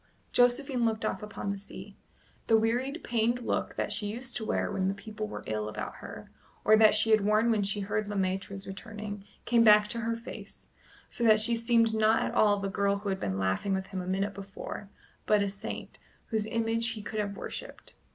Josephine looked off upon the sea. The wearied pained look that she used to wear when the people were ill about her, or that she had worn when she heard Le Maître was returning, came back to her face, so that she seemed not at all the girl who had been laughing with him a minute before, but a saint, whose image he could have worshipped.